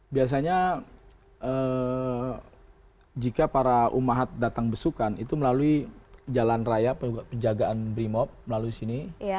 biasanya jika para umahat datang besukan itu melalui jalan raya penjagaan brimob melalui sini